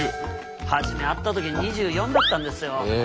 初め会った時２４だったんですよ。